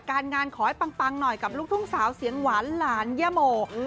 การงานขอให้ปังหน่อยกับลูกทุ่งสาวเสียงหวานหลานย่าโม